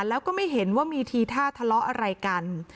แล้วก็ไม่เห็นว่ามีทีท่าทะเลาะอะไรกัน